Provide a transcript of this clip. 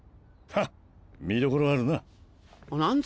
ハッ見どころあるな。